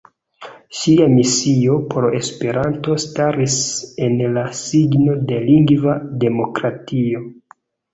Ŝia misio por Esperanto staris en la signo de lingva demokratio.